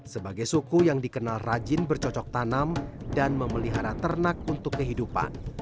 sebagai suku yang dikenal rajin bercocok tanam dan memelihara ternak untuk kehidupan